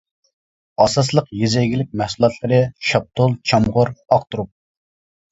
ئاساسلىق يېزا ئىگىلىك مەھسۇلاتلىرى شاپتۇل، چامغۇر، ئاق تۇرۇپ.